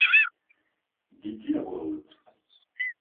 dit-il à voix haute.